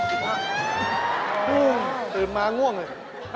อุ้มตื้นมาง่วงเลย